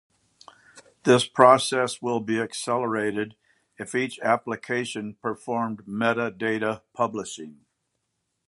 This process will be accelerated if each application performed metadata publishing.